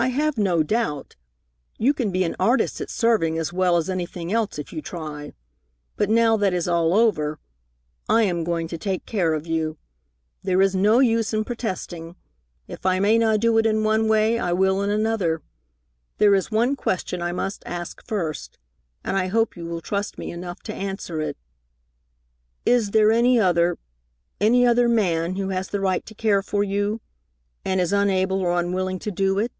"I have no doubt. You can be an artist at serving as well as anything else, if you try. But now that is all over. I am going to take care of you. There is no use in protesting. If I may not do it in one way, I will in another. There is one question I must ask first, and I hope you will trust me enough to answer it. Is there any other any other man who has the right to care for you, and is unable or unwilling to do it?"